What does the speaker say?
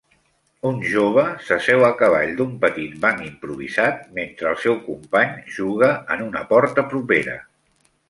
Un jove s'asseu a cavall d'un petit banc improvisat mentre el seu company juga en una porta propera.